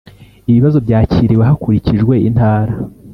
ibibazo byakiriwe hakurikijwe intara